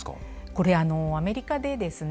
これアメリカでですね